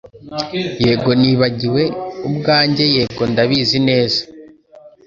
Yego nibagiwe ubwanjye yego ndabizi neza